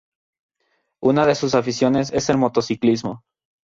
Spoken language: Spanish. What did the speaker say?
Una de sus aficiones es el motociclismo.